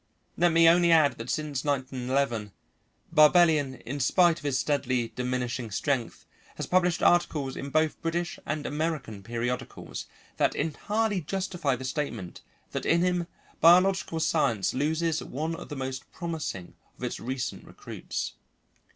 Let me only add that since 1911 Barbellion, in spite of his steadily diminishing strength, has published articles in both British and American periodicals, that entirely justify the statement that in him biological science loses one of the most promising of its recent recruits.